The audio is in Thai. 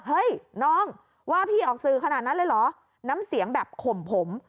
เฮ้ยน้องว่าพี่ออกสื่อขนาดนั้นเลยเหรอน้ำเสียงแบบข่มผม